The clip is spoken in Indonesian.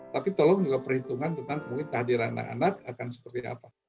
tapi tolong juga perhitungan tentang mungkin kehadiran anak anak akan seperti apa